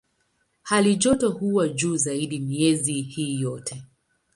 Halijoto huwa juu zaidi miezi hii yote.